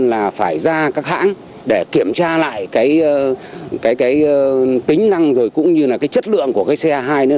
là phải ra các hãng để kiểm tra lại cái tính năng rồi cũng như là cái chất lượng của cái xe hai nữa